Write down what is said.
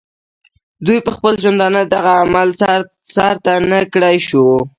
دوي پۀ خپل ژوندانۀ دغه عمل سر ته نۀ کړے شو